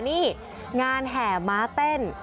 นี่งานแห่ม้าเต้น